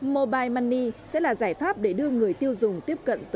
mobile money sẽ là giải pháp để đưa người tiêu dùng tiếp cận